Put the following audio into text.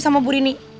sama bu rini